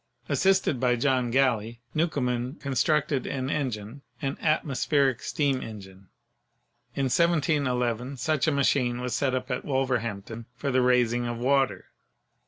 Assisted by John Gal ley, Newcomen constructed an engine — an "atmospheric steam engine." In 171 1 such a machine was set up at Wol verhampton for the raising of water.